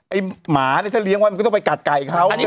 หมาเนี่ยถ้าเลี้ยงไว้มันก็ต้องไปกัดไก่เขา